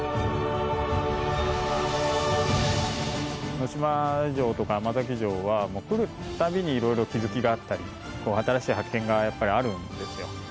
能島城とか甘崎城は来る度にいろいろ気付きがあったり新しい発見があるんですよ。